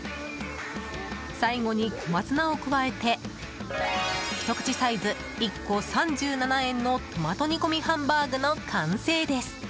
最後に小松菜を加えてひと口サイズ、１個３７円のトマト煮込みハンバーグの完成です。